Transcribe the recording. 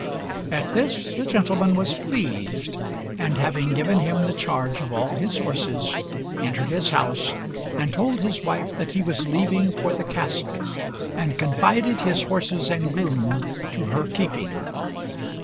At this the gentleman was pleased, and having given him the charge of all his horses, entered his house, and told his wife that he was leaving for the castle, and confided his horses and groom to her keeping.